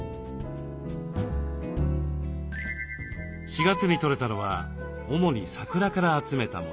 ４月にとれたのは主にサクラから集めたもの。